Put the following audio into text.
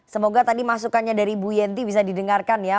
semoga tadi masukannya dari ibu yenty bisa didengarkan ya